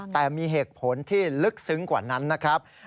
แต่มีเหตุผลที่ลึกซึ้งกว่านั้นนะครับ